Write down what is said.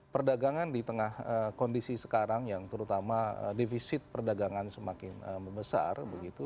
perdagangan di tengah kondisi sekarang yang terutama defisit perdagangan semakin membesar begitu